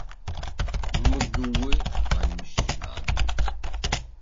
"Mgły ani śladu."